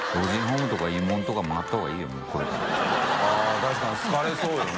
△確かに好かれそうよね。